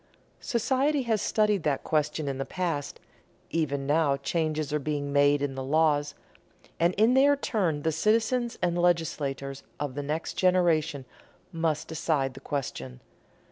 Society has studied that question in the past; even now changes are being made in the laws; and in their turn the citizens and legislators of the next generation must decide the question.